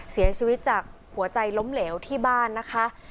เสียชีวิตจากหัวใจล้มเหลวที่บ้านนะคะ